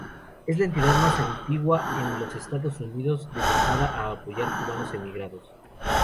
Es la entidad más antigua en los Estados Unidos dedicada a apoyar cubanos emigrados.